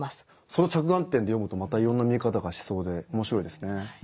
その着眼点で読むとまたいろんな見え方がしそうで面白いですね。